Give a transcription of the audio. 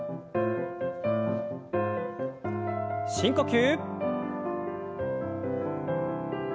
深呼吸。